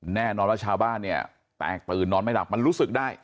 แน่นอนว่าชาวบ้านเนี่ยแตกตื่นนอนไม่หลับมันรู้สึกได้